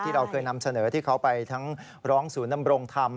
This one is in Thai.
ที่เราเคยนำเสนอที่เขาไปทั้งร้องสูนำบลงทำ